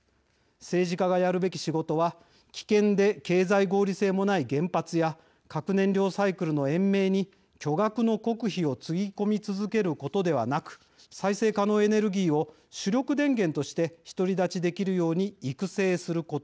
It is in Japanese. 政治家がやるべき仕事は危険で経済合理性もない原発や核燃料サイクルの延命に巨額の国費をつぎ込み続けることではなく再生可能エネルギーを主力電源として独り立ちできるように育成することである」。